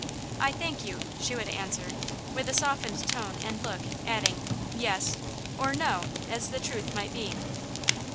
"I thank you," she would answer, with a softened tone and look, adding, "Yes" or "No," as the truth might be.